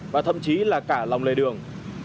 và thậm chí là cả lòng lề đường